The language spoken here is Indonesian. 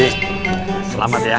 nah sobri selamat ya